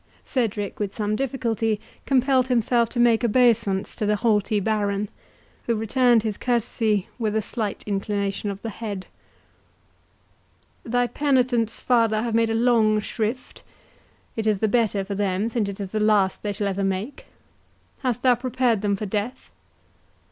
Cedric, with some difficulty, compelled himself to make obeisance to the haughty Baron, who returned his courtesy with a slight inclination of the head. "Thy penitents, father, have made a long shrift—it is the better for them, since it is the last they shall ever make. Hast thou prepared them for death?"